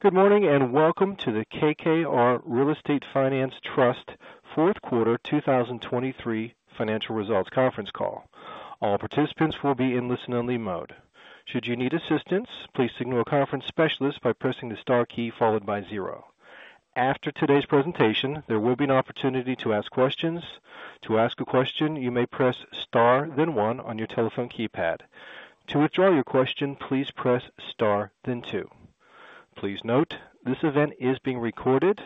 Good morning, and welcome to the KKR Real Estate Finance Trust fourth quarter 2023 financial results conference call. All participants will be in listen-only mode. Should you need assistance, please signal a conference specialist by pressing the star key followed by zero. After today's presentation, there will be an opportunity to ask questions. To ask a question, you may press Star then one on your telephone keypad. To withdraw your question, please press Star then two. Please note, this event is being recorded.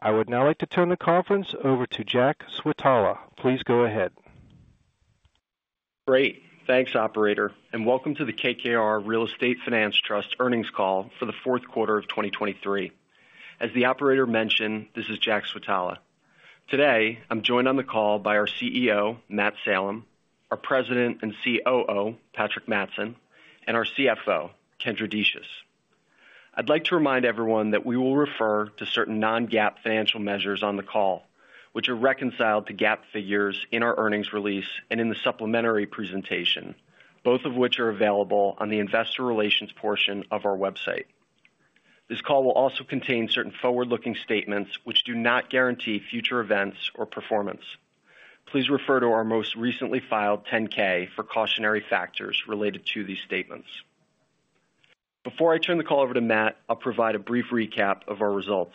I would now like to turn the conference over to Jack Switala. Please go ahead. Great. Thanks, operator, and welcome to the KKR Real Estate Finance Trust earnings call for the fourth quarter of 2023. As the operator mentioned, this is Jack Switala. Today, I'm joined on the call by our CEO, Matt Salem, our President and COO, Patrick Mattson, and our CFO, Kendra Decius. I'd like to remind everyone that we will refer to certain non-GAAP financial measures on the call, which are reconciled to GAAP figures in our earnings release and in the supplementary presentation, both of which are available on the investor relations portion of our website. This call will also contain certain forward-looking statements which do not guarantee future events or performance. Please refer to our most recently filed 10-K for cautionary factors related to these statements. Before I turn the call over to Matt, I'll provide a brief recap of our results.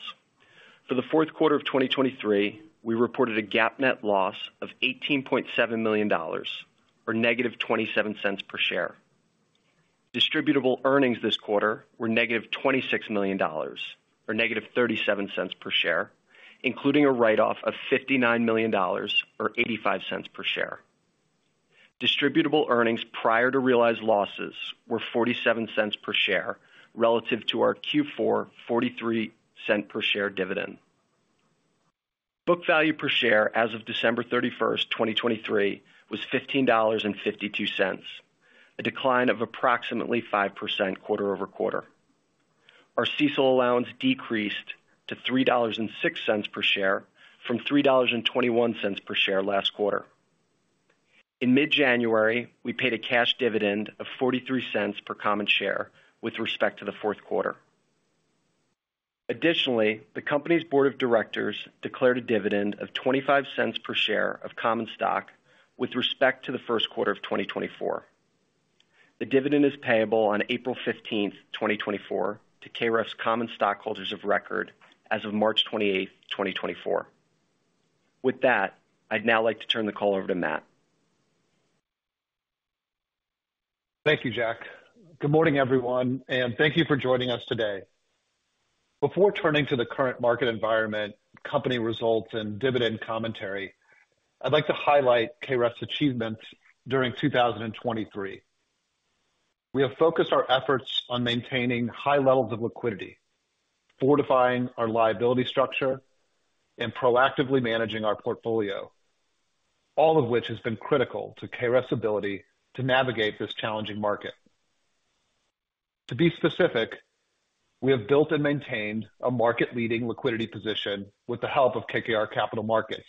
For the fourth quarter of 2023, we reported a GAAP net loss of $18.7 million, or -$0.27 per share. Distributable earnings this quarter were -$26 million or -$0.37 per share, including a write-off of $59 million or $0.85 per share. Distributable earnings prior to realized losses were $0.47 per share relative to our Q4 43-cent per share dividend. Book value per share as of December 31, 2023, was $15.52, a decline of approximately 5% quarter-over-quarter. Our CECL allowance decreased to $3.06 per share from $3.21 per share last quarter. In mid-January, we paid a cash dividend of $0.43 per common share with respect to the fourth quarter. Additionally, the company's board of directors declared a dividend of $0.25 per share of common stock with respect to the first quarter of 2024. The dividend is payable on April 15, 2024, to KREF's common stockholders of record as of March 28, 2024. With that, I'd now like to turn the call over to Matt. Thank you, Jack. Good morning, everyone, and thank you for joining us today. Before turning to the current market environment, company results, and dividend commentary, I'd like to highlight KREF's achievements during 2023. We have focused our efforts on maintaining high levels of liquidity, fortifying our liability structure, and proactively managing our portfolio, all of which has been critical to KREF's ability to navigate this challenging market. To be specific, we have built and maintained a market-leading liquidity position with the help of KKR Capital Markets,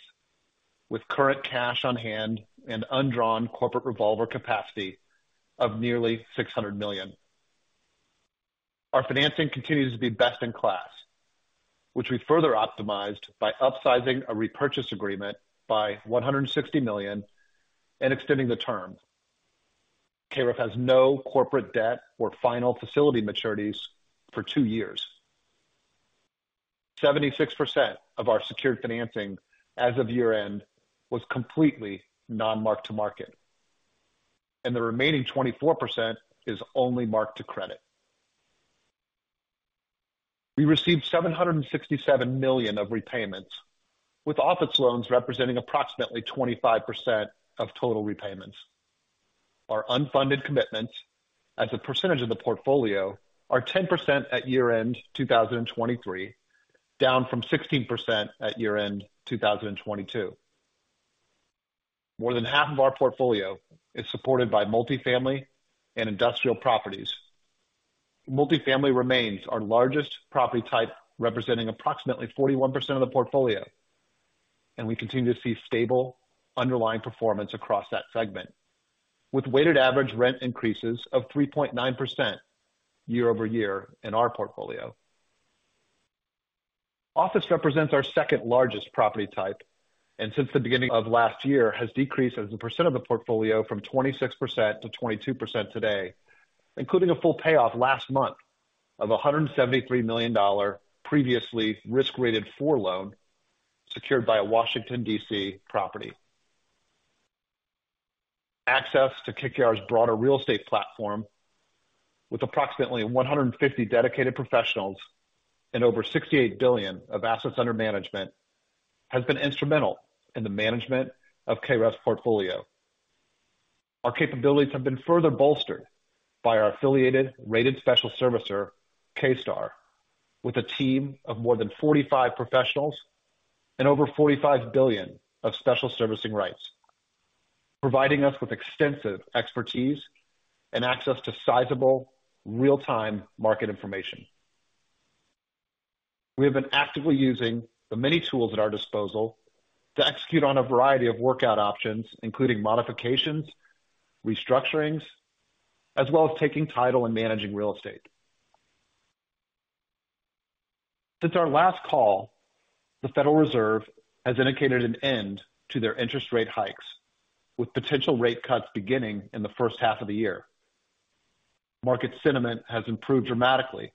with current cash on hand and undrawn corporate revolver capacity of nearly $600 million. Our financing continues to be best in class, which we further optimized by upsizing a repurchase agreement by $160 million and extending the term. KREF has no corporate debt or final facility maturities for two years. 76% of our secured financing as of year-end was completely non-mark-to-market, and the remaining 24% is only mark-to-credit. We received $767 million of repayments, with office loans representing approximately 25% of total repayments. Our unfunded commitments as a percentage of the portfolio are 10% at year-end 2023, down from 16% at year-end 2022. More than half of our portfolio is supported by multifamily and industrial properties. Multifamily remains our largest property type, representing approximately 41% of the portfolio, and we continue to see stable underlying performance across that segment, with weighted average rent increases of 3.9% year over year in our portfolio. Office represents our second-largest property type, and since the beginning of last year, has decreased as a percent of the portfolio from 26% to 22% today, including a full payoff last month of a $173 million previously risk-rated 4 loan secured by a Washington, D.C., property. Access to KKR's broader real estate platform with approximately 150 dedicated professionals and over $68 billion of assets under management, has been instrumental in the management of KREF's portfolio. Our capabilities have been further bolstered by our affiliated rated special servicer, K-Star, with a team of more than 45 professionals and over $45 billion of special servicing rights, providing us with extensive expertise and access to sizable, real-time market information. We have been actively using the many tools at our disposal to execute on a variety of workout options, including modifications, restructurings, as well as taking title and managing real estate. Since our last call, the Federal Reserve has indicated an end to their interest rate hikes, with potential rate cuts beginning in the first half of the year. Market sentiment has improved dramatically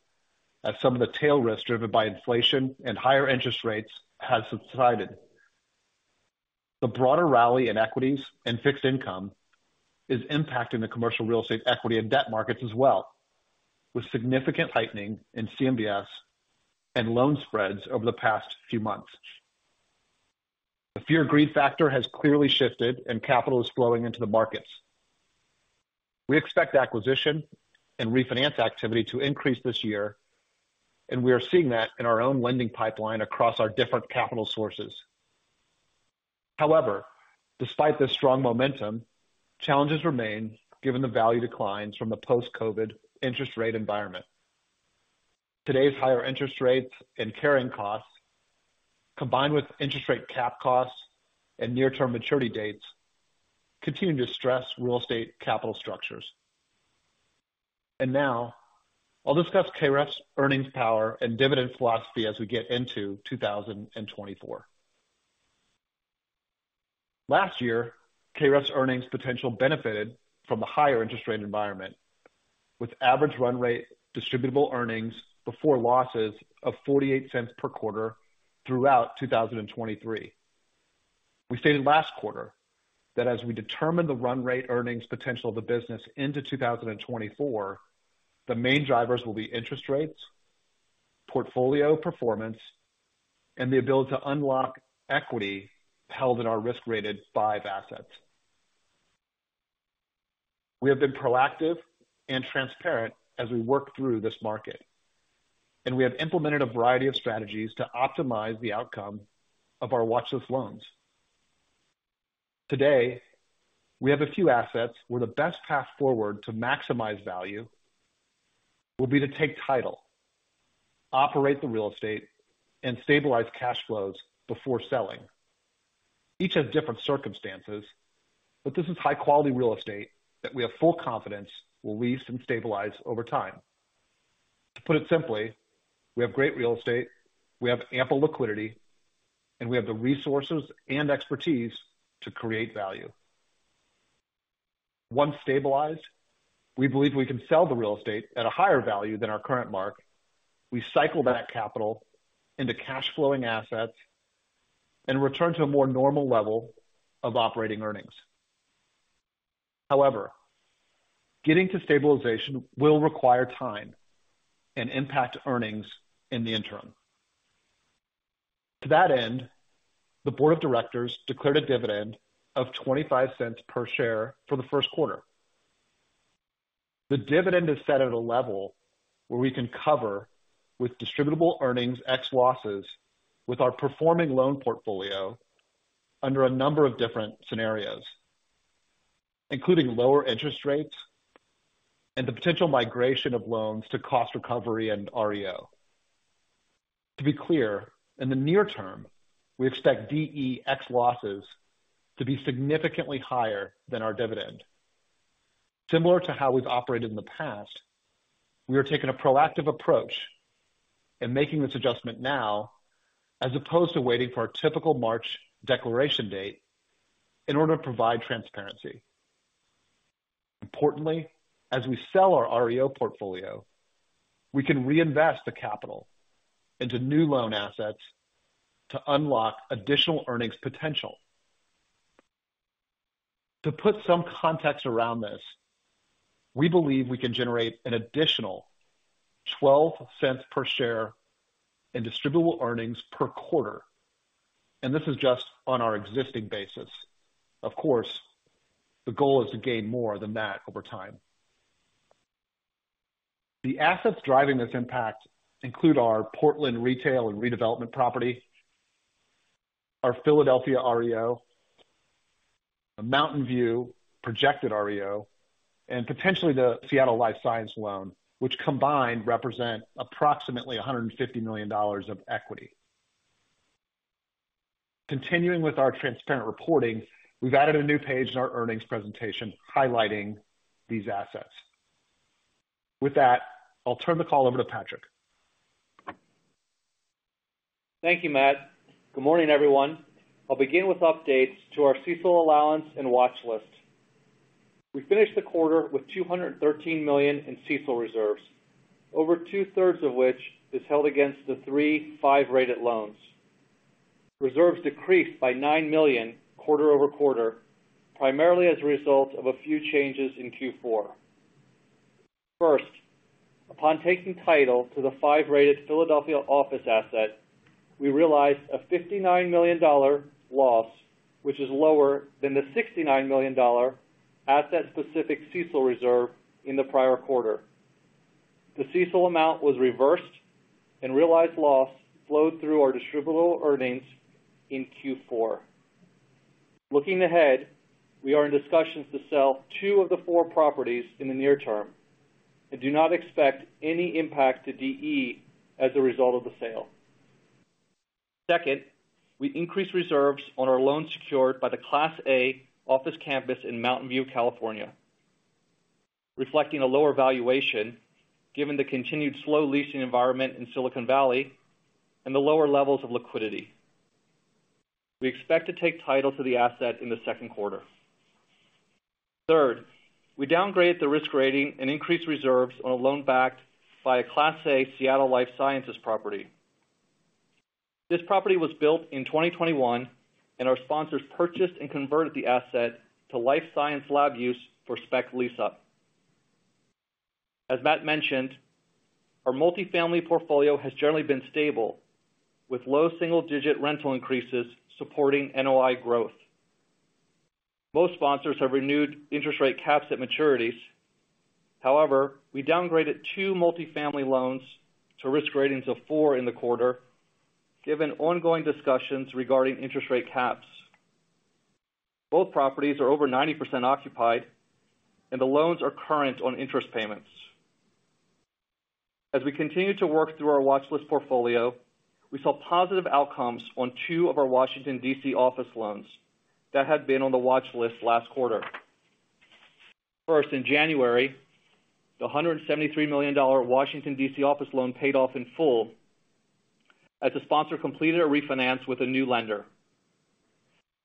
as some of the tail risk, driven by inflation and higher interest rates, has subsided. The broader rally in equities and fixed income is impacting the commercial real estate equity and debt markets as well, with significant tightening in CMBS and loan spreads over the past few months. The fear-greed factor has clearly shifted and capital is flowing into the markets. We expect acquisition and refinance activity to increase this year, and we are seeing that in our own lending pipeline across our different capital sources. However, despite this strong momentum, challenges remain given the value declines from the post-COVID interest rate environment. Today's higher interest rates and carrying costs, combined with interest rate cap costs and near-term maturity dates, continue to stress real estate capital structures. Now I'll discuss KREF's earnings power and dividend philosophy as we get into 2024. Last year, KREF's earnings potential benefited from the higher interest rate environment, with average run rate distributable earnings before losses of $0.48 per quarter throughout 2023. We stated last quarter that as we determine the run rate earnings potential of the business into 2024, the main drivers will be interest rates, portfolio performance, and the ability to unlock equity held in our risk-rated 5 assets. We have been proactive and transparent as we work through this market, and we have implemented a variety of strategies to optimize the outcome of our watch list loans. Today, we have a few assets where the best path forward to maximize value will be to take title, operate the real estate, and stabilize cash flows before selling. Each has different circumstances, but this is high-quality real estate that we have full confidence will lease and stabilize over time. To put it simply, we have great real estate, we have ample liquidity, and we have the resources and expertise to create value. Once stabilized, we believe we can sell the real estate at a higher value than our current mark. We cycle that capital into cash flowing assets and return to a more normal level of operating earnings. However, getting to stabilization will require time and impact earnings in the interim. To that end, the board of directors declared a dividend of $0.25 per share for the first quarter. The dividend is set at a level where we can cover with distributable earnings ex losses, with our performing loan portfolio under a number of different scenarios, including lower interest rates and the potential migration of loans to cost recovery and REO. To be clear, in the near term, we expect DE ex losses to be significantly higher than our dividend. Similar to how we've operated in the past, we are taking a proactive approach in making this adjustment now, as opposed to waiting for our typical March declaration date in order to provide transparency. Importantly, as we sell our REO portfolio, we can reinvest the capital into new loan assets to unlock additional earnings potential. To put some context around this, we believe we can generate an additional $0.12 per share in distributable earnings per quarter, and this is just on our existing basis. Of course, the goal is to gain more than that over time. The assets driving this impact include our Portland retail and redevelopment property, our Philadelphia REO, a Mountain View projected REO, and potentially the Seattle life science loan, which combined represent approximately $150 million of equity. Continuing with our transparent reporting, we've added a new page in our earnings presentation highlighting these assets. With that, I'll turn the call over to Patrick. Thank you, Matt. Good morning, everyone. I'll begin with updates to our CECL allowance and watch list. We finished the quarter with $213 million in CECL reserves, over two-thirds of which is held against the 3-5 rated loans. Reserves decreased by $9 million quarter-over-quarter, primarily as a result of a few changes in Q4. First, upon taking title to the 5-rated Philadelphia office asset, we realized a $59 million loss, which is lower than the $69 million asset-specific CECL reserve in the prior quarter. The CECL amount was reversed and realized loss flowed through our distributable earnings in Q4. Looking ahead, we are in discussions to sell two of the four properties in the near term and do not expect any impact to DE as a result of the sale. Second, we increased reserves on our loan secured by the Class A office campus in Mountain View, California, reflecting a lower valuation, given the continued slow leasing environment in Silicon Valley and the lower levels of liquidity. We expect to take title to the asset in the second quarter. Third, we downgraded the Risk Rating and increased reserves on a loan backed by a Class A Seattle life sciences property. This property was built in 2021, and our sponsors purchased and converted the asset to life science lab use for spec lease-up. As Matt mentioned, our multifamily portfolio has generally been stable, with low single-digit rental increases supporting NOI growth. Most sponsors have renewed interest rate caps at maturities. However, we downgraded two multifamily loans to Risk Ratings of four in the quarter, given ongoing discussions regarding interest rate caps. Both properties are over 90% occupied, and the loans are current on interest payments. As we continue to work through our watch list portfolio, we saw positive outcomes on 2 of our Washington, D.C., office loans that had been on the watch list last quarter. First, in January, the $173 million Washington, D.C., office loan paid off in full as the sponsor completed a refinance with a new lender.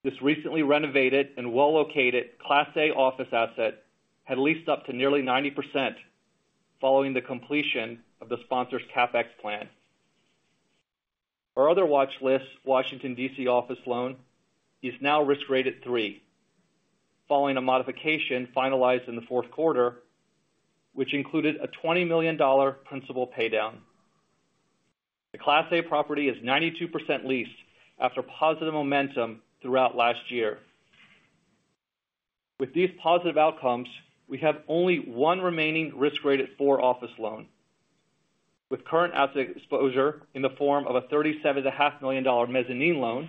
This recently renovated and well-located Class A office asset had leased up to nearly 90% following the completion of the sponsor's CapEx plan. Our other watch list, Washington, D.C., office loan, is now risk rated 3, following a modification finalized in the fourth quarter, which included a $20 million principal paydown. The Class A property is 92% leased after positive momentum throughout last year. With these positive outcomes, we have only one remaining risk-rated four office loan, with current asset exposure in the form of a $37.5 million mezzanine loan,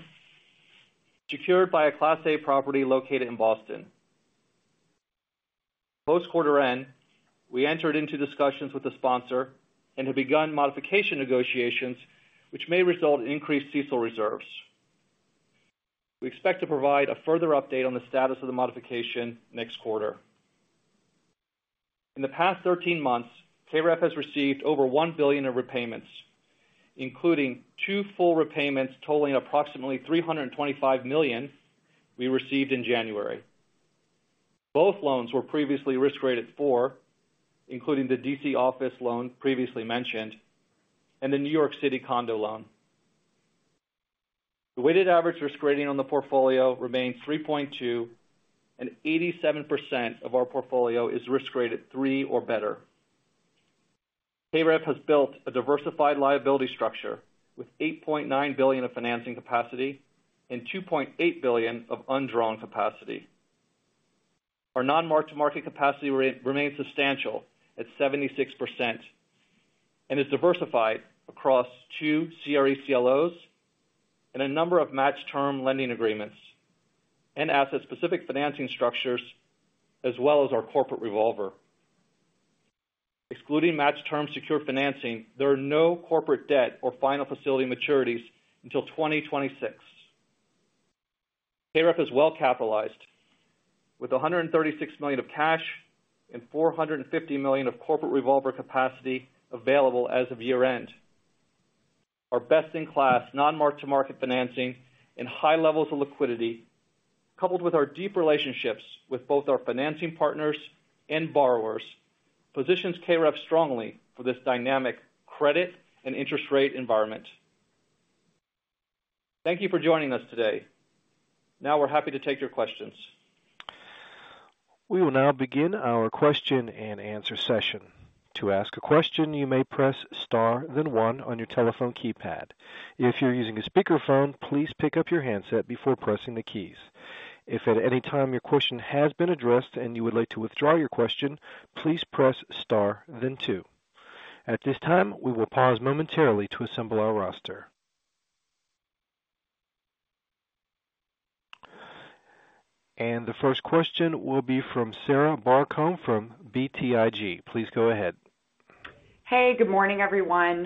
secured by a Class A property located in Boston. Post quarter end, we entered into discussions with the sponsor and have begun modification negotiations, which may result in increased CECL reserves. We expect to provide a further update on the status of the modification next quarter. In the past 13 months, KREF has received over $1 billion of repayments, including two full repayments totaling approximately $325 million we received in January. Both loans were previously risk-rated four, including the D.C. office loan previously mentioned and the New York City condo loan. The weighted average risk rating on the portfolio remains 3.2, and 87% of our portfolio is risk-graded three or better. KREF has built a diversified liability structure with $8.9 billion of financing capacity and $2.8 billion of undrawn capacity. Our non-mark-to-market capacity remains substantial at 76% and is diversified across two CRE CLOs and a number of matched term lending agreements and asset-specific financing structures, as well as our corporate revolver. Excluding matched term secure financing, there are no corporate debt or final facility maturities until 2026. KREF is well capitalized, with $136 million of cash and $450 million of corporate revolver capacity available as of year-end. Our best-in-class, non-mark-to-market financing and high levels of liquidity, coupled with our deep relationships with both our financing partners and borrowers, positions KREF strongly for this dynamic credit and interest rate environment. Thank you for joining us today. Now we're happy to take your questions. We will now begin our question-and-answer session. To ask a question, you may press Star, then one on your telephone keypad. If you're using a speakerphone, please pick up your handset before pressing the keys. If at any time your question has been addressed and you would like to withdraw your question, please press Star, then two. At this time, we will pause momentarily to assemble our roster. The first question will be from Sarah Barcomb from BTIG. Please go ahead. Hey, good morning, everyone.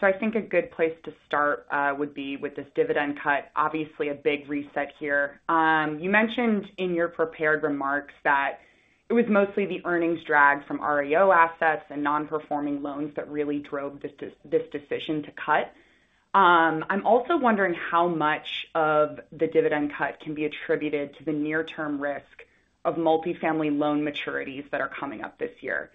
So I think a good place to start would be with this dividend cut. Obviously, a big reset here. You mentioned in your prepared remarks that it was mostly the earnings drag from REO assets and non-performing loans that really drove this decision to cut. I'm also wondering how much of the dividend cut can be attributed to the near-term risk of multifamily loan maturities that are coming up this year.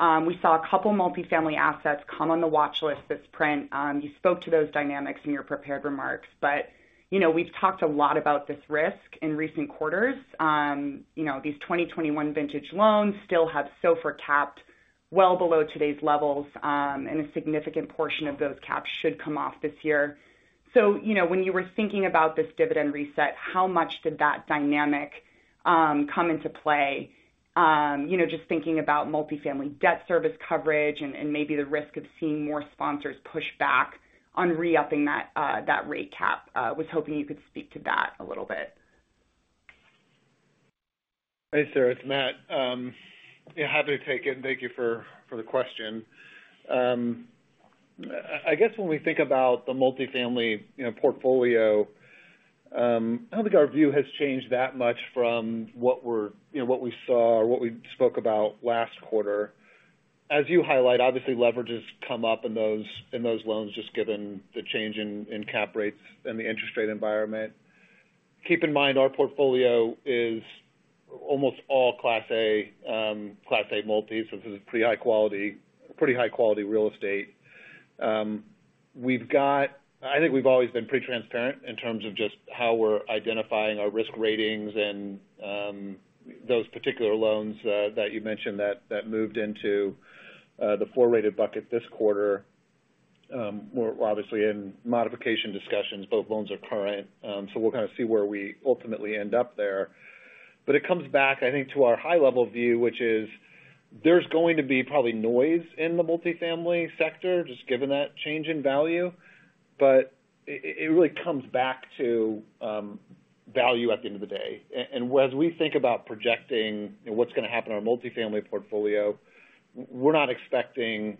We saw a couple multifamily assets come on the watch list this print. You spoke to those dynamics in your prepared remarks, but we've talked a lot about this risk in recent quarters. These 2021 vintage loans still have so far capped well below today's levels, and a significant portion of those caps should come off this year. So, when you were thinking about this dividend reset, how much did that dynamic-... come into play? Just thinking about multifamily debt service coverage and maybe the risk of seeing more sponsors push back on re-upping that rate cap. Was hoping you could speak to that a little bit. Hey, Sarah, it's Matt. Yeah, happy to take it, and thank you for the question. I guess when we think about the multifamily portfolio, I don't think our view has changed that much from what we saw or what we spoke about last quarter. As you highlight, obviously, leverage has come up in those loans, just given the change in cap rates and the interest rate environment. Keep in mind, our portfolio is almost all Class A, Class A multi, so this is pretty high quality, pretty high quality real estate. We've got. I think we've always been pretty transparent in terms of just how we're identifying our risk ratings and those particular loans that you mentioned that moved into the four-rated bucket this quarter. We're obviously in modification discussions. Both loans are current, so we'll kind of see where we ultimately end up there. But it comes back, I think, to our high-level view, which is there's going to be probably noise in the multifamily sector, just given that change in value, but it really comes back to value at the end of the day. And as we think about projecting what's going to happen in our multifamily portfolio, we're not expecting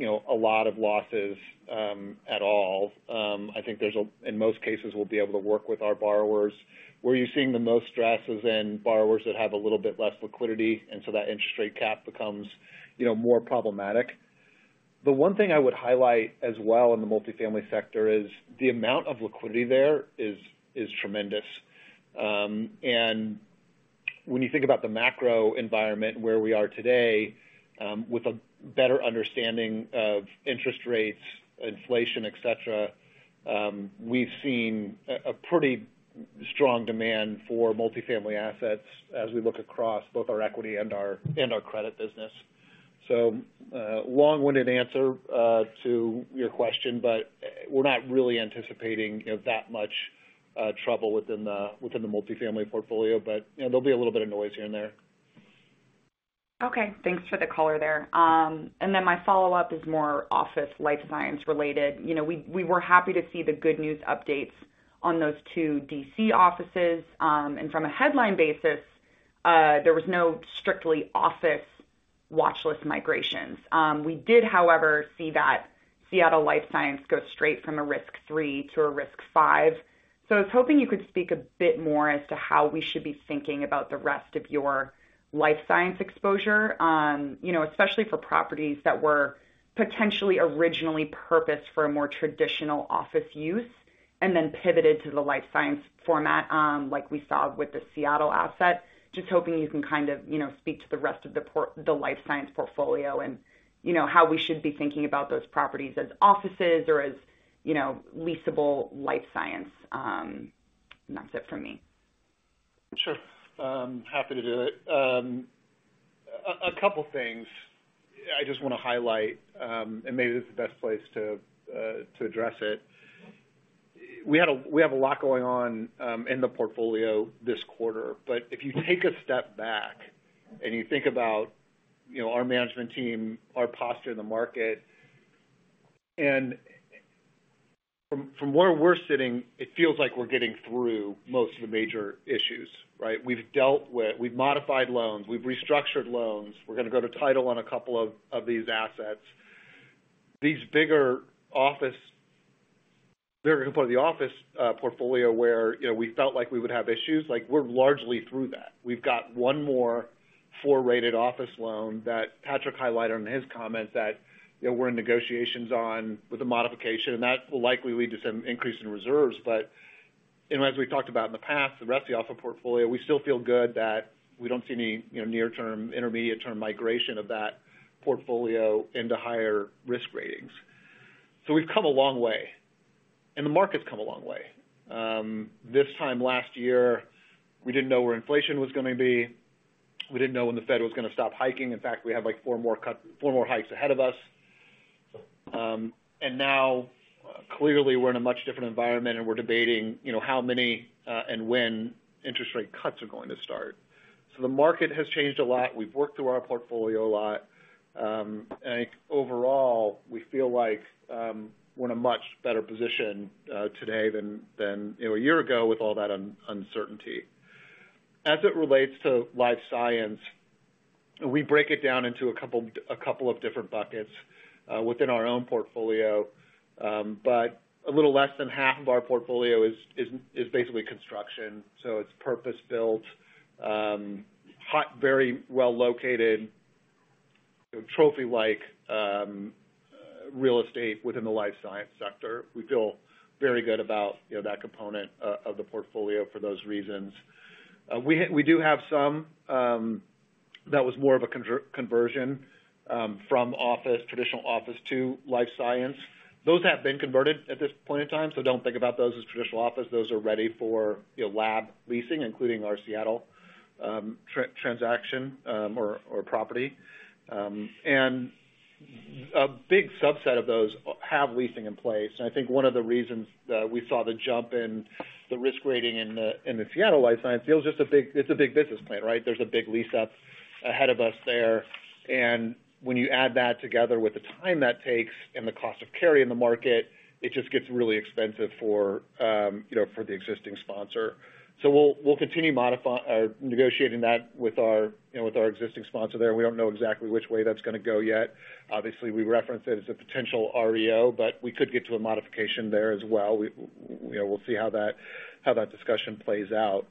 a lot of losses at all. I think there's a... In most cases, we'll be able to work with our borrowers. Where you're seeing the most stresses in borrowers that have a little bit less liquidity, and so that interest rate cap becomes more problematic. The one thing I would highlight as well in the multifamily sector is the amount of liquidity there is, is tremendous. And when you think about the macro environment and where we are today, with a better understanding of interest rates, inflation, et cetera, we've seen a pretty strong demand for multifamily assets as we look across both our equity and our, and our credit business. So, long-winded answer to your question, but we're not really anticipating that much trouble within the, within the multifamily portfolio, but there'll be a little bit of noise here and there. Okay, thanks for the color there. And then my follow-up is more office life science related. We were happy to see the good news updates on those 2 D.C. offices. And from a headline basis, there was no strictly office watchlist migrations. We did, however, see that Seattle life science go straight from a risk 3 to a risk 5. So I was hoping you could speak a bit more as to how we should be thinking about the rest of your life science exposure especially for properties that were potentially originally purposed for a more traditional office use, and then pivoted to the life science format, like we saw with the Seattle asset. Just hoping you can kind of, speak to the rest of the life science portfolio and how we should be thinking about those properties as offices or as leasable life science. And that's it for me. Sure, happy to do it. A couple things I just want to highlight, and maybe this is the best place to address it. We have a lot going on in the portfolio this quarter, but if you take a step back and you think about our management team, our posture in the market, and from where we're sitting, it feels like we're getting through most of the major issues, right? We've dealt with... We've modified loans, we've restructured loans. We're gonna go to title on a couple of these assets. These bigger office, bigger part of the office portfolio, where we felt like we would have issues, like, we're largely through that. We've got one more four-rated office loan that Patrick highlighted in his comments, that we're in negotiations on with a modification, and that will likely lead to some increase in reserves. But as we've talked about in the past, the rest of the office portfolio, we still feel good that we don't see any near-term, intermediate-term migration of that portfolio into higher risk ratings. So we've come a long way, and the market's come a long way. This time last year, we didn't know where inflation was gonna be. We didn't know when the Fed was gonna stop hiking. In fact, we had, like, four more hikes ahead of us. And now, clearly, we're in a much different environment, and we're debating how many, and when interest rate cuts are going to start. So the market has changed a lot. We've worked through our portfolio a lot. And I think overall, we feel like we're in a much better position today than a year ago with all that uncertainty. As it relates to life science, we break it down into a couple of different buckets within our own portfolio. But a little less than half of our portfolio is basically construction, so it's purpose-built, hot, very well located, trophy-like real estate within the life science sector. We feel very good about that component of the portfolio for those reasons. We do have some that was more of a conversion from office, traditional office to life science. Those have been converted at this point in time, so don't think about those as traditional office. Those are ready for lab leasing, including our Seattle transaction or property. A big subset of those have leasing in place. And I think one of the reasons that we saw the jump in the risk rating in the Seattle life science deal is just it's a big business plan, right? There's a big lease up ahead of us there. And when you add that together with the time that takes and the cost of carry in the market, it just gets really expensive for the existing sponsor. So we'll continue modifying negotiating that with our with our existing sponsor there. We don't know exactly which way that's going to go yet. Obviously, we reference it as a potential REO, but we could get to a modification there as well. We'll see how that discussion plays out.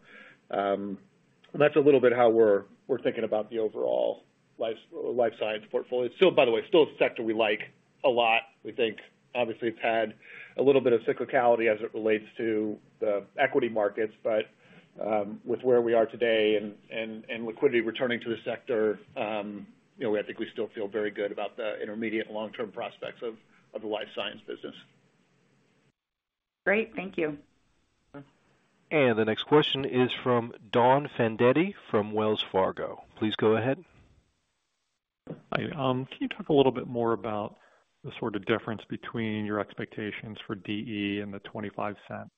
That's a little bit how we're thinking about the overall life science portfolio. Still, by the way, still a sector we like a lot. We think obviously it's had a little bit of cyclicality as it relates to the equity markets, but with where we are today and liquidity returning to the sector, I think we still feel very good about the intermediate long-term prospects of the life science business. Great, thank you. The next question is from Don Fandetti from Wells Fargo. Please go ahead. Hi. Can you talk a little bit more about the sort of difference between your expectations for DE and the $0.25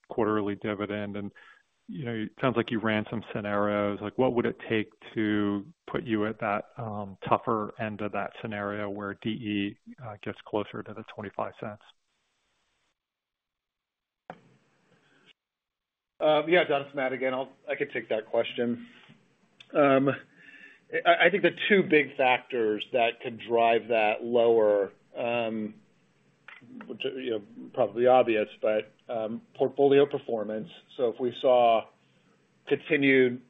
quarterly dividend? And it sounds like you've ran some scenarios. Like, what would it take to put you at that, tougher end of that scenario where DE gets closer to the $0.25? Yeah, Don, it's Matt again. I could take that question. I think the two big factors that could drive that lower, which probably obvious, but, portfolio performance. So if we saw continued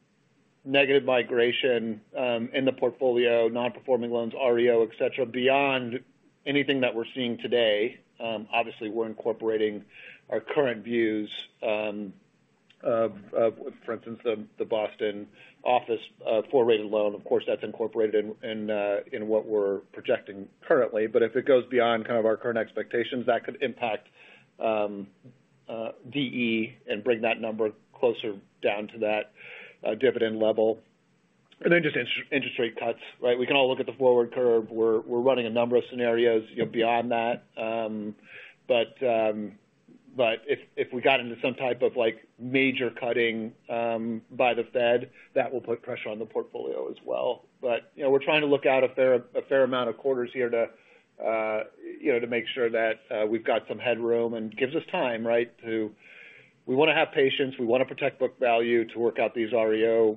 negative migration in the portfolio, non-performing loans, REO, et cetera, beyond anything that we're seeing today, obviously, we're incorporating our current views of, for instance, the Boston office poor rated loan. Of course, that's incorporated in what we're projecting currently. But if it goes beyond kind of our current expectations, that could impact DE and bring that number closer down to that dividend level. And then just interest rate cuts, right? We can all look at the forward curve. We're running a number of scenarios beyond that. But if we got into some type of, like, major cutting by the Fed, that will put pressure on the portfolio as well. But, we're trying to look out a fair amount of quarters here to make sure that we've got some headroom and gives us time, right, to... We want to have patience, we want to protect book value, to work out these REO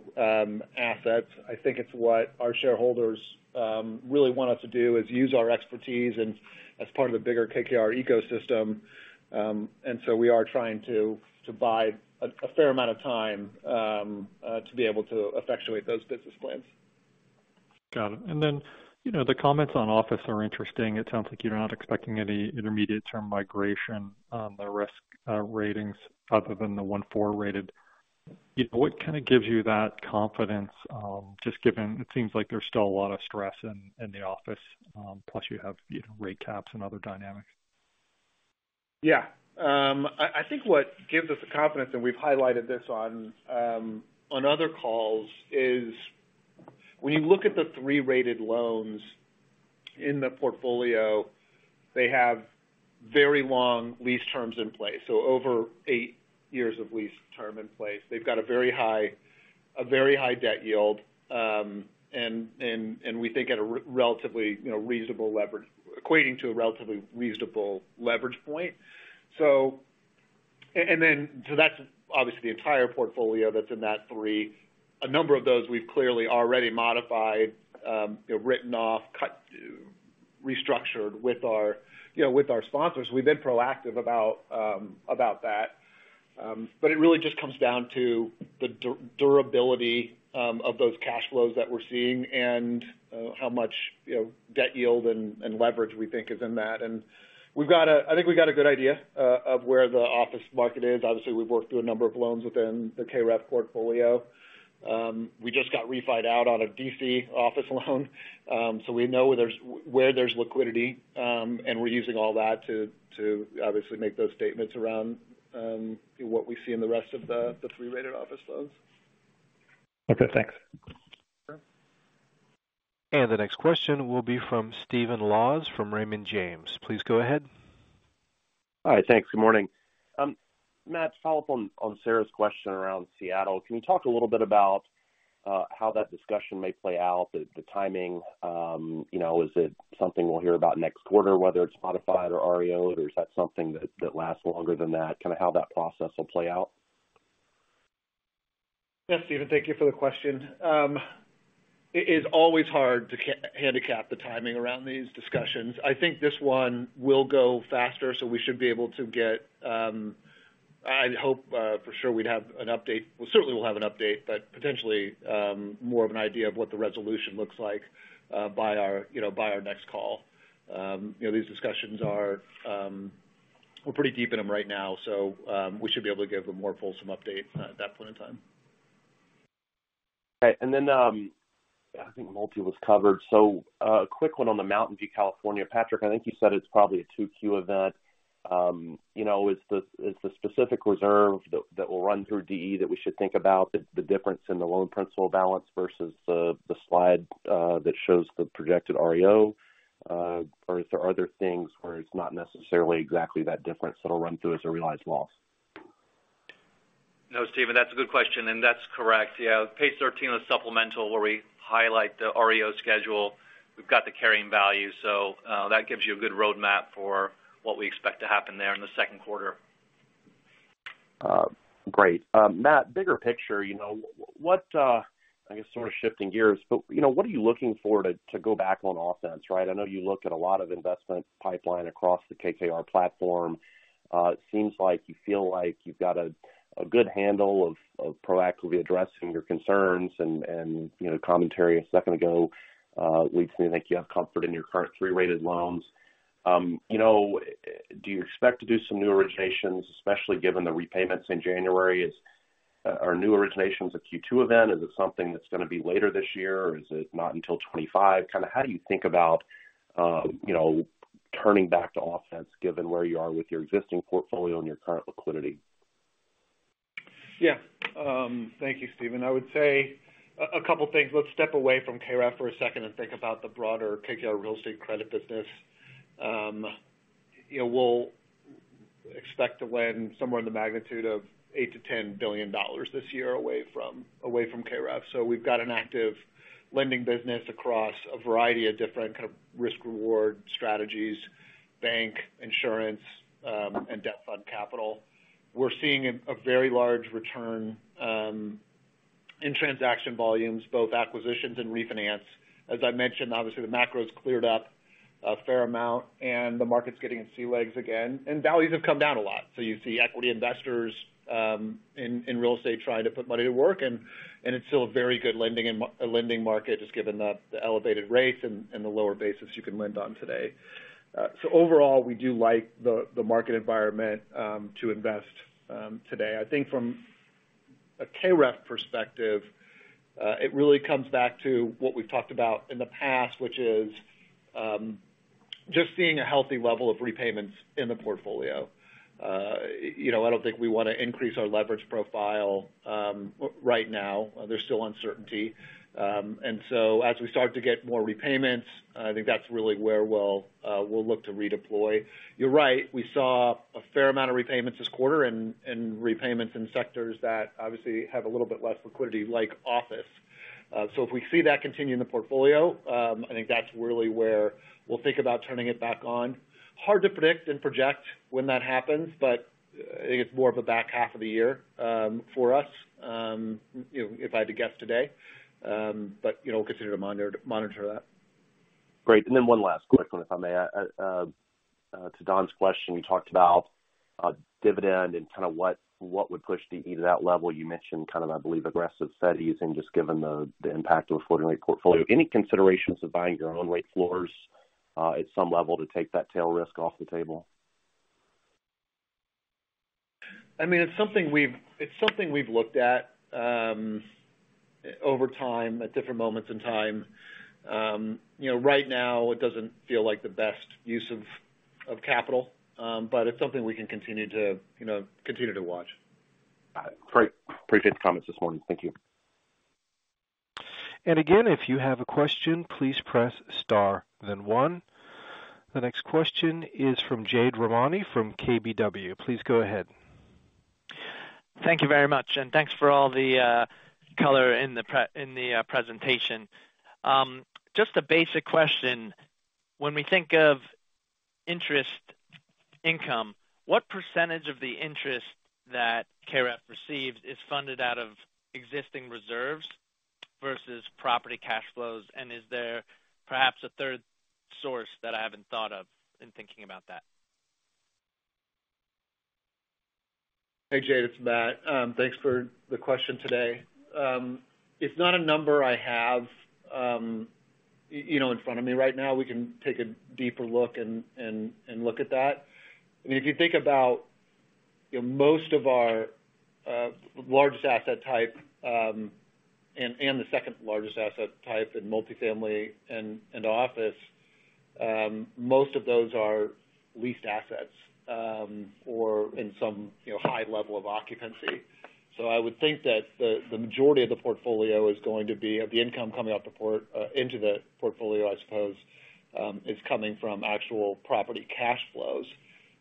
assets. I think it's what our shareholders really want us to do, is use our expertise and as part of the bigger KKR ecosystem. And so we are trying to buy a fair amount of time to be able to effectuate those business plans. Got it. And then, the comments on office are interesting. It sounds like you're not expecting any intermediate-term migration on the risk ratings other than the 1-4 rated. What kind of gives you that confidence, just given it seems like there's still a lot of stress in the office, plus you have rate caps and other dynamics? Yeah. I think what gives us the confidence, and we've highlighted this on other calls, is when you look at the three-rated loans in the portfolio, they have very long lease terms in place, so over eight years of lease term in place. They've got a very high, a very high debt yield, and we think at a relatively reasonable leverage, equating to a relatively reasonable leverage point. So that's obviously the entire portfolio that's in that three. A number of those we've clearly already modified, written off, cut, restructured with our sponsors. We've been proactive about that. But it really just comes down to the durability of those cash flows that we're seeing and how much debt yield and leverage we think is in that. And we've got a—I think we've got a good idea of where the office market is. Obviously, we've worked through a number of loans within the KREF portfolio. We just got refi'd out on a D.C. office loan, so we know where there's liquidity, and we're using all that to obviously make those statements around what we see in the rest of the three-rated office loans. Okay, thanks. Sure. The next question will be from Stephen Laws, from Raymond James. Please go ahead. Hi, thanks. Good morning. Matt, to follow up on Sarah's question around Seattle, can you talk a little bit about how that discussion may play out, the timing? Is it something we'll hear about next quarter, whether it's modified or REO, or is that something that lasts longer than that? Kind of how that process will play out. Yeah, Steven, thank you for the question. It is always hard to handicap the timing around these discussions. I think this one will go faster, so we should be able to get, I'd hope, for sure we'd have an update. Well, certainly we'll have an update, but potentially, more of an idea of what the resolution looks like, by our next call. These discussions are... We're pretty deep in them right now, so, we should be able to give a more fulsome update at that point in time. Right. And then, I think multi was covered. So, quick one on the Mountain View, California. Patrick, I think you said it's probably a two-queue event. Is the, is the specific reserve that, that will run through DE that we should think about the, the difference in the loan principal balance versus the, the slide that shows the projected REO? Or is there other things where it's not necessarily exactly that difference that'll run through as a realized loss? No, Steven, that's a good question, and that's correct. Yeah, page 13 of the supplemental, where we highlight the REO schedule, we've got the carrying value. So, that gives you a good roadmap for what we expect to happen there in the second quarter. Great. Matt, bigger picture, what—I guess sort of shifting gears, but what are you looking for to go back on offense, right? I know you look at a lot of investment pipeline across the KKR platform. It seems like you feel like you've got a good handle of proactively addressing your concerns and commentary a second ago leads me to think you have comfort in your current 3-rated loans. Do you expect to do some new originations, especially given the repayments in January? Are new originations a Q2 event? Is it something that's going to be later this year, or is it not until 25? Kind of how do you think about turning back to offense, given where you are with your existing portfolio and your current liquidity? Yeah. Thank you, Steven. I would say a couple things. Let's step away from KREF for a second and think about the broader KKR real estate credit business. We'll expect to lend somewhere in the magnitude of $8 billion-$10 billion this year away from, away from KREF. So we've got an active lending business across a variety of different kind of risk-reward strategies: bank, insurance, and debt fund capital. We're seeing a very large return in transaction volumes, both acquisitions and refinance. As I mentioned, obviously, the macro's cleared up a fair amount, and the market's getting its sea legs again, and values have come down a lot. So you see equity investors in real estate trying to put money to work, and it's still a very good lending market, just given the elevated rates and the lower basis you can lend on today. So overall, we do like the market environment to invest today. I think from a KREF perspective, it really comes back to what we've talked about in the past, which is just seeing a healthy level of repayments in the portfolio. I don't think we want to increase our leverage profile right now, there's still uncertainty. And so as we start to get more repayments, I think that's really where we'll look to redeploy. You're right, we saw a fair amount of repayments this quarter and repayments in sectors that obviously have a little bit less liquidity, like office. So if we see that continue in the portfolio, I think that's really where we'll think about turning it back on. Hard to predict and project when that happens, but I think it's more of a back half of the year, for us, if I had to guess today. But we'll continue to monitor that. Great. And then one last quick one, if I may. To Don's question, you talked about a dividend and kind of what would push DE to that level. You mentioned kind of, I believe, aggressive Fed cuts, and just given the impact of a floating-rate portfolio. Any considerations of buying your own rate floors at some level to take that tail risk off the table? I mean, it's something we've looked at over time, at different moments in time. Right now, it doesn't feel like the best use of capital, but it's something we can continue to watch. Got it. Great. Appreciate the comments this morning. Thank you. And again, if you have a question, please press star then one. The next question is from Jade Rahmani from KBW. Please go ahead. Thank you very much, and thanks for all the color in the presentation. Just a basic question: when we think of interest income, what percentage of the interest that KREF receives is funded out of existing reserves versus property cash flows? And is there perhaps a third source that I haven't thought of in thinking about that? Hey, Jade, it's Matt. Thanks for the question today. It's not a number I have in front of me right now. We can take a deeper look and look at that. I mean, if you think about most of our largest asset type, and the second largest asset type in multifamily and office, most of those are leased assets, or in some high level of occupancy. So I would think that the majority of the portfolio is going to be, or the income coming into the portfolio, I suppose, is coming from actual property cash flows.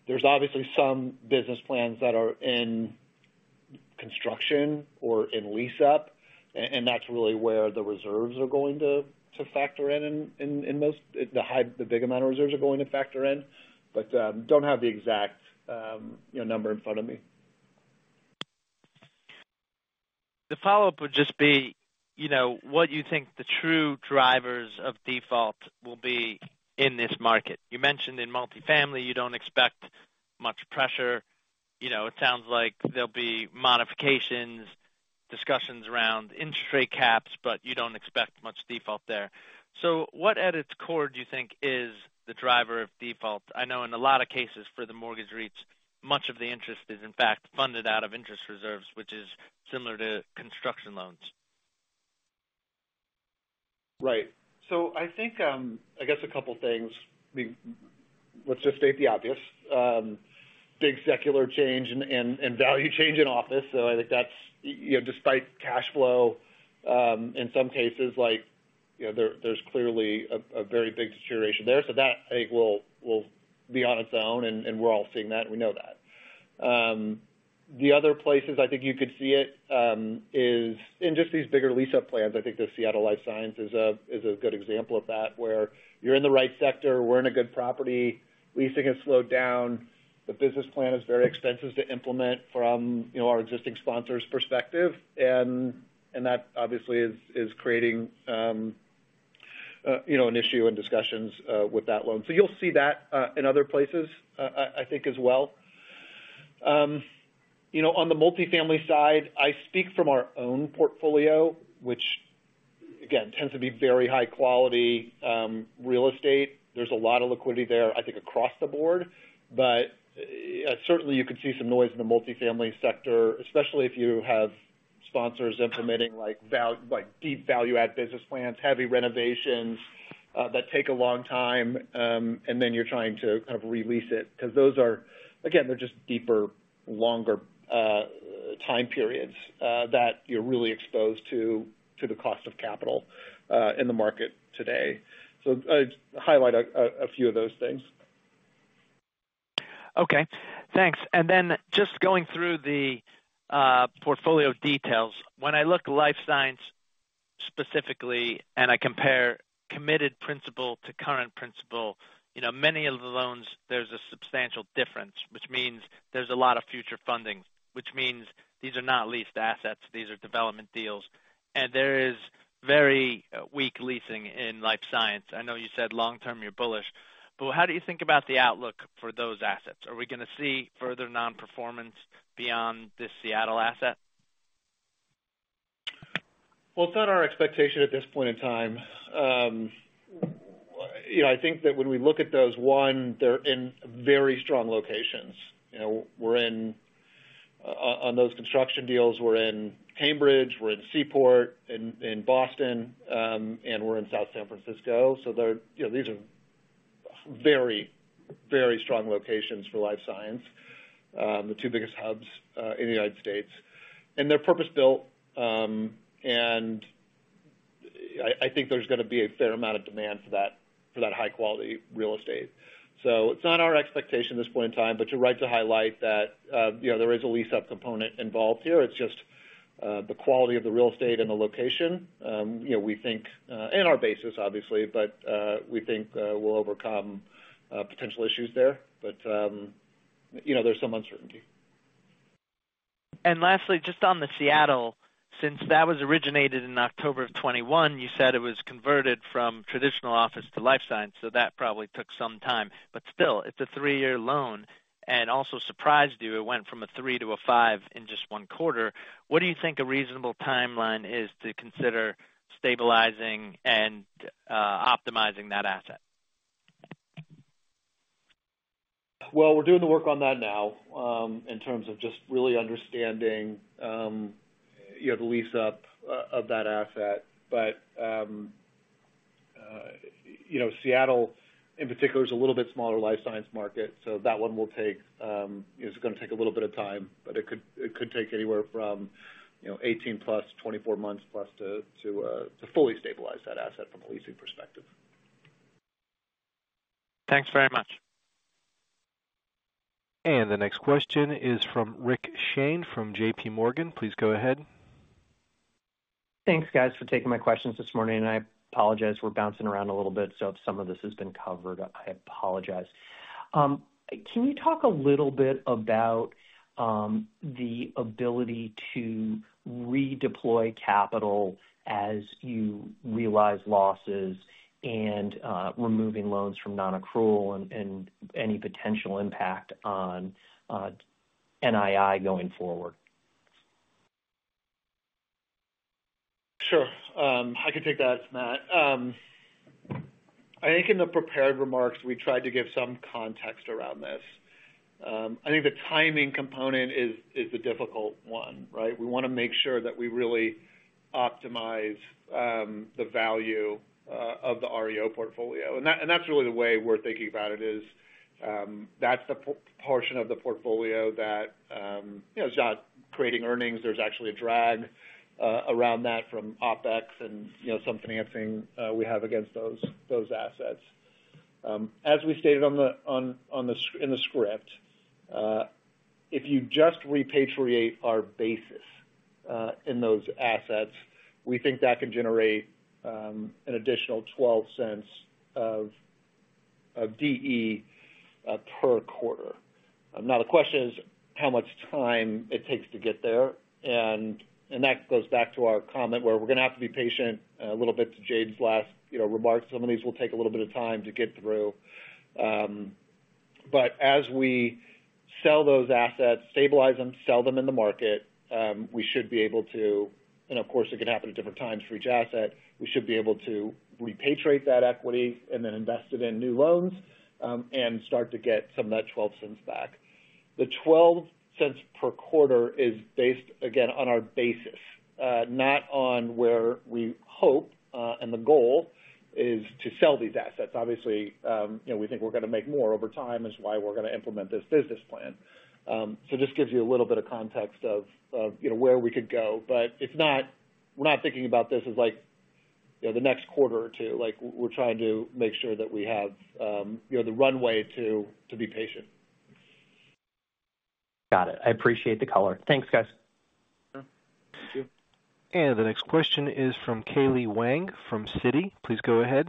There's obviously some business plans that are in construction or in lease up, and that's really where the reserves are going to factor in those—the big amount of reserves are going to factor in. But, don't have the exact number in front of me. The follow-up would just be what you think the true drivers of default will be in this market. You mentioned in multifamily, you don't expect much pressure. It sounds like there'll be modifications, discussions around interest rate caps, but you don't expect much default there. So what, at its core, do you think is the driver of default? I know in a lot of cases for the mortgage REITs, much of the interest is, in fact, funded out of interest reserves, which is similar to construction loans. Right. So I think, I guess a couple things. Let's just state the obvious. Big secular change and value change in office. So I think that's, despite cash flow, in some cases, like there's clearly a very big deterioration there. So that, I think, will be on its own, and we're all seeing that, we know that. The other places I think you could see it, is in just these bigger lease-up plans. I think the Seattle life science is a good example of that, where you're in the right sector, we're in a good property, leasing has slowed down. The business plan is very expensive to implement from our existing sponsors' perspective, and that obviously is creating an issue in discussions with that loan. So you'll see that in other places, I think, as well. On the multifamily side, I speak from our own portfolio, which again, tends to be very high quality real estate. There's a lot of liquidity there, I think, across the board, but certainly you can see some noise in the multifamily sector, especially if you have sponsors implementing, like, deep value add business plans, heavy renovations that take a long time, and then you're trying to kind of re-lease it, because those are... Again, they're just deeper, longer time periods that you're really exposed to the cost of capital in the market today. So I'd highlight a few of those things. Okay, thanks. And then just going through the portfolio details. When I look at life science specifically, and I compare committed principal to current principal, many of the loans, there's a substantial difference, which means there's a lot of future funding, which means these are not leased assets, these are development deals, and there is very weak leasing in life science. I know you said long term, you're bullish, but how do you think about the outlook for those assets? Are we gonna see further non-performance beyond this Seattle asset? Well, it's not our expectation at this point in time. I think that when we look at those, one, they're in very strong locations. We're in, on those construction deals, we're in Cambridge, we're in Seaport, in, in Boston, and we're in South San Francisco. So they're-- you know, these are very, very strong locations for life science, the two biggest hubs, in the United States. And they're purpose-built, and I, I think there's gonna be a fair amount of demand for that, for that high-quality real estate. So it's not our expectation at this point in time, but you're right to highlight that there is a lease up component involved here. It's just the quality of the real estate and the location, we think, and our basis, obviously, but we think we'll overcome potential issues there. But there's some uncertainty. And lastly, just on the Seattle, since that was originated in October of 2021, you said it was converted from traditional office to life science, so that probably took some time. But still, it's a three-year loan and also surprised you, it went from a three to a five in just one quarter. What do you think a reasonable timeline is to consider stabilizing and optimizing that asset? Well, we're doing the work on that now, in terms of just really understanding the lease-up of that asset. But Seattle, in particular, is a little bit smaller life science market, so that one will take... It's gonna take a little bit of time, but it could, it could take anywhere from 18-plus to 24-plus months to fully stabilize that asset from a leasing perspective. Thanks very much. The next question is from Rick Shane from JP Morgan. Please go ahead. Thanks, guys, for taking my questions this morning. I apologize, we're bouncing around a little bit, so if some of this has been covered, I apologize. Can you talk a little bit about the ability to redeploy capital as you realize losses and removing loans from nonaccrual and any potential impact on NII going forward? Sure. I can take that, Matt. I think in the prepared remarks, we tried to give some context around this. I think the timing component is the difficult one, right? We wanna make sure that we really optimize the value of the REO portfolio. And that's really the way we're thinking about it is that's the portion of the portfolio that, it's not creating earnings. There's actually a drag around that from OpEx and some financing we have against those assets. As we stated in the script, if you just repatriate our basis in those assets, we think that can generate an additional $0.12 of DE per quarter. Now, the question is how much time it takes to get there? And that goes back to our comment, where we're gonna have to be patient a little bit to Jade's last remarks. Some of these will take a little bit of time to get through. But as we sell those assets, stabilize them, sell them in the market, we should be able to... And of course, it can happen at different times for each asset. We should be able to repatriate that equity and then invest it in new loans and start to get some of that $0.12 back.... The $0.12 per quarter is based, again, on our basis, not on where we hope, and the goal is to sell these assets. Obviously, we think we're gonna make more over time, is why we're gonna implement this business plan. So just gives you a little bit of context of where we could go. But it's not. We're not thinking about this as like the next quarter or two. Like, we're trying to make sure that we have the runway to be patient. Got it. I appreciate the color. Thanks, guys. Thank you. The next question is from Kaili Wang from Citi. Please go ahead.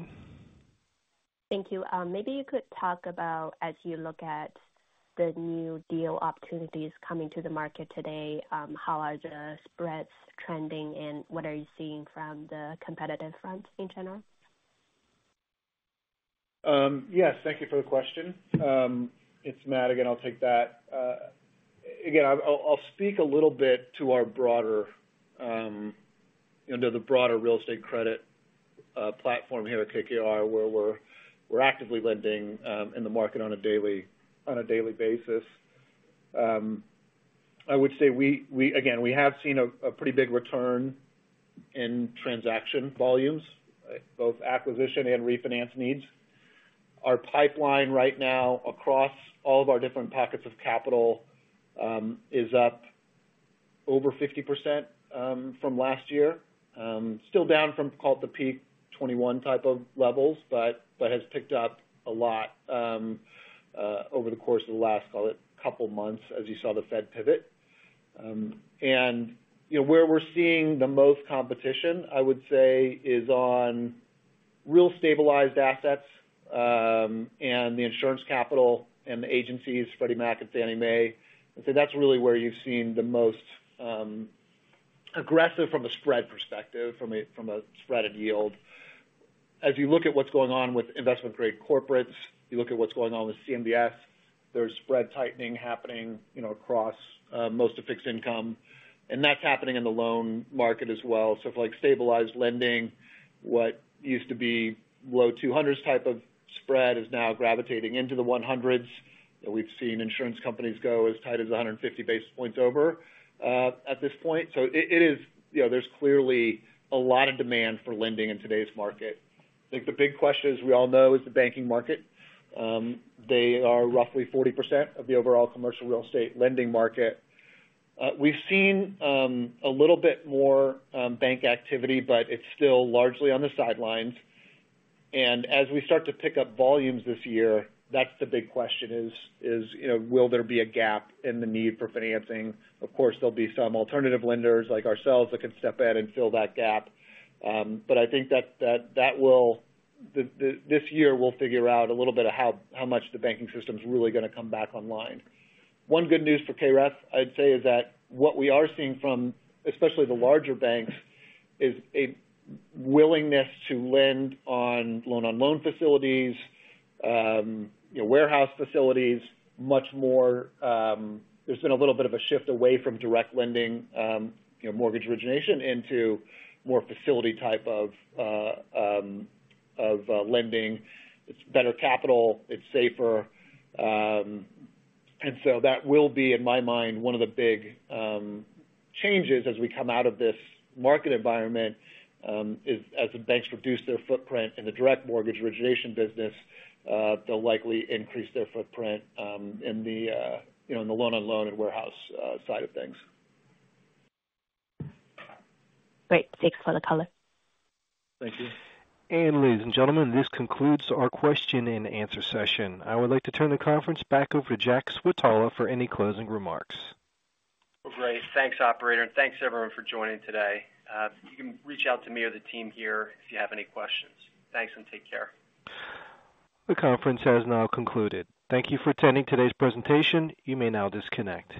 Thank you. Maybe you could talk about, as you look at the new deal opportunities coming to the market today, how are the spreads trending, and what are you seeing from the competitive front in general? Yes, thank you for the question. It's Matt again, I'll take that. Again, I'll speak a little bit to our broader real estate credit platform here at KKR, where we're actively lending in the market on a daily basis. I would say we -- again, we have seen a pretty big return in transaction volumes, both acquisition and refinance needs. Our pipeline right now, across all of our different packets of capital, is up over 50%, from last year. Still down from, call it the peak 2021 type of levels, but has picked up a lot, over the course of the last, call it, couple months, as you saw the Fed pivot. And where we're seeing the most competition, I would say, is on real stabilized assets, and the insurance capital and the agencies, Freddie Mac and Fannie Mae. I'd say that's really where you've seen the most, aggressive from a spread perspective, from a spread of yield. As you look at what's going on with investment-grade corporates, you look at what's going on with CMBS, there's spread tightening happening across most of fixed income, and that's happening in the loan market as well. So for, like, stabilized lending, what used to be low 200s type of spread is now gravitating into the 100s. We've seen insurance companies go as tight as 150 basis points over, at this point. So it is -- you know, there's clearly a lot of demand for lending in today's market. I think the big question, as we all know, is the banking market. They are roughly 40% of the overall commercial real estate lending market. We've seen a little bit more bank activity, but it's still largely on the sidelines. And as we start to pick up volumes this year, that's the big question is, will there be a gap in the need for financing? Of course, there'll be some alternative lenders, like ourselves, that can step in and fill that gap. But I think that will -- this year, we'll figure out a little bit of how much the banking system's really gonna come back online. One good news for KREF, I'd say, is that what we are seeing from, especially the larger banks, is a willingness to lend on loan-on-loan facilities, warehouse facilities, much more. There's been a little bit of a shift away from direct lending, mortgage origination into more facility type of lending. It's better capital, it's safer. And so that will be, in my mind, one of the big changes as we come out of this market environment, is as the banks reduce their footprint in the direct mortgage origination business, they'll likely increase their footprint, in the loan-on-loan and warehouse side of things. Great. Thanks for the color. Thank you. Ladies and gentlemen, this concludes our question-and-answer session. I would like to turn the conference back over to Jack Switala for any closing remarks. Well, great. Thanks, operator, and thanks, everyone, for joining today. You can reach out to me or the team here if you have any questions. Thanks, and take care. The conference has now concluded. Thank you for attending today's presentation. You may now disconnect.